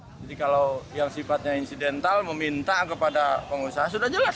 jadi kalau yang sifatnya insidental meminta kepada pengusaha sudah jelas